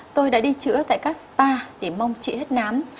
tôi đã đi chữa tại các spa để mong chị hết nám